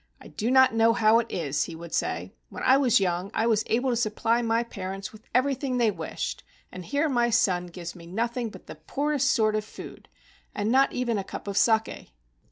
"I do not know how it is," he would say. "When I was young, I was able to supply my parents with everything they wished, and here my son gives me nothing but the poorest sort of food, and not even a cup of saki